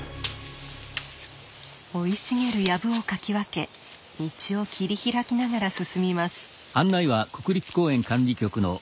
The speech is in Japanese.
生い茂る藪をかき分け道を切り開きながら進みます。